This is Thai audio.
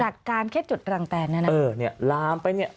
จากการเคล็ดจุดรังแตนนะเออเนี่ยล้ามไปเนี่ย